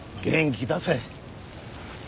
元気出せ。